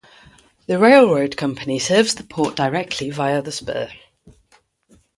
The railroad company serves the port directly via the spur.